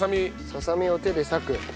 ささみを手で裂く。